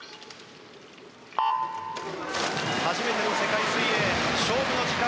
初めての世界水泳勝負の時間。